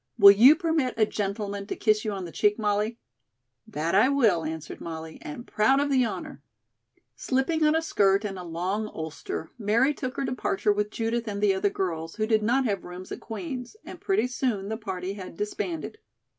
Will you permit a gentleman to kiss you on the cheek, Molly?" "That I will," answered Molly, "and proud of the honor." Slipping on a skirt and a long ulster, Mary took her departure with Judith and the other girls, who did not have rooms at Queen's, and pretty soon the party had disbanded.